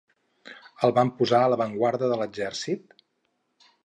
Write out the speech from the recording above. El van posar a l'avantguarda de l'exèrcit?